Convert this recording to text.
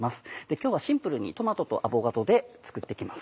今日はシンプルにトマトとアボカドで作って行きます。